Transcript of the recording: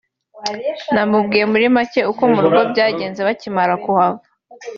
namubwiye muri make uku mu rugo byagenze bakimara kuhava